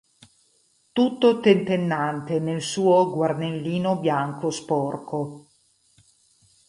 Tutto tentennante nel suo guarnellino bianco sporco.